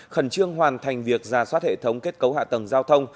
khẩn trương hoàn thành việc ra soát hệ thống kết cấu hạ tầng giao thông